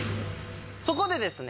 そこでですね